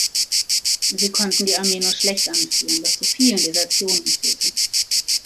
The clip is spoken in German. Sie konnten die Armee nur schlecht anführen, was zu vielen Desertionen führte.